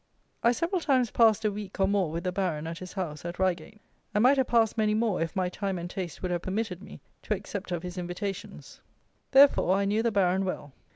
I several times passed a week, or more, with the Baron at his house, at Reigate, and might have passed many more, if my time and taste would have permitted me to accept of his invitations. Therefore, I knew the Baron well.